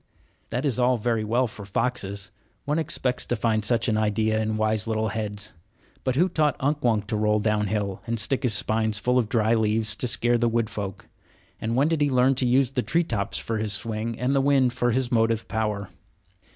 That is all very well for foxes. One expects to find such an idea in wise little heads. But who taught Unk Wunk to roll downhill and stick his spines full of dry leaves to scare the wood folk? And when did he learn to use the tree tops for his swing and the wind for his motive power?